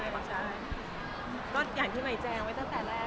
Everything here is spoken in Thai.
ก็อย่างที่ใหม่แจงไว้ตั้งแต่แรก